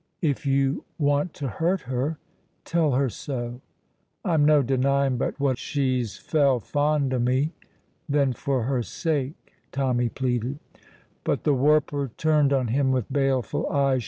"If you want to hurt her, tell her so." "I'm no denying but what she's fell fond o' me." "Then for her sake," Tommy pleaded. But the warper turned on him with baleful eyes.